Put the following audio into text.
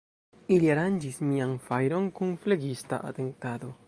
Ili aranĝis mian fajron kun flegista atentado.